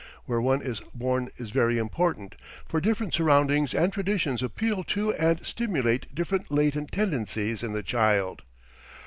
Where one is born is very important, for different surroundings and traditions appeal to and stimulate different latent tendencies in the child.